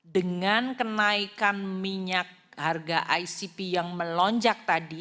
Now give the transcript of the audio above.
dengan kenaikan minyak harga icp yang melonjak tadi